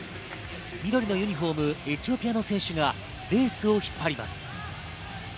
緑のユニホーム、エチオピアの選手がレースを引っ張ります。